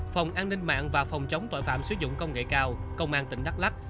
phòng an ninh mạng và phòng chống tội phạm sử dụng công nghệ cao công an tỉnh đắk lắc